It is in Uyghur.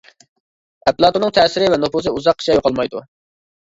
ئەپلاتوننىڭ تەسىرى ۋە نوپۇزى ئۇزاققىچە يوقالمايدۇ.